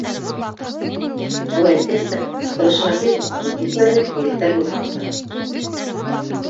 Ул әйткәс тә, ултырышырға тиҙ үк баҙнат итмәнек, «егеттәр» булһаҡ та.